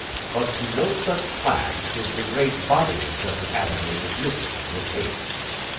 But to no such plan could the great bodies of the Cavaliers listen with patience.